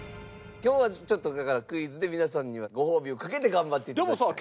今日はちょっとだからクイズで皆さんにはご褒美をかけて頑張って頂きたい。